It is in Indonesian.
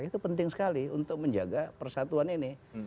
itu penting sekali untuk menjaga persatuan ini